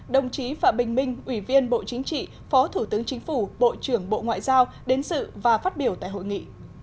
đồng chí phạm bình minh ủy viên bộ chính trị phó thủ tướng chính phủ bộ trưởng bộ ngoại giao đến sự và phát biểu tại hội nghị